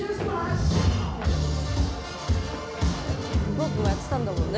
ロックもやってたんだもんね？